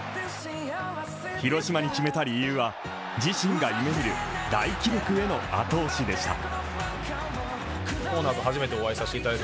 広島に決めた理由は自身が夢みる大記録への後押しでした。